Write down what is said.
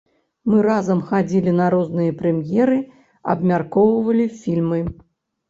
Мы разам хадзілі на розныя прэм'еры, абмяркоўвалі фільмы.